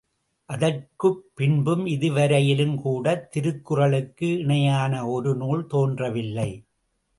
அதற்குப் பின்பும் இதுவரையிலும் கூட திருக்குறளுக்கு இணையான ஒரு நூல் தோன்றவில்லை.